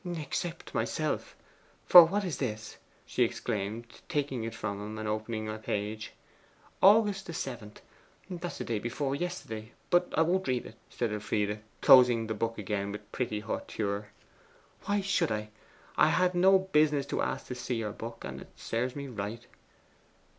'Except myself. For what is this?' she exclaimed, taking it from him and opening a page. 'August 7. That's the day before yesterday. But I won't read it,' Elfride said, closing the book again with pretty hauteur. 'Why should I? I had no business to ask to see your book, and it serves me right.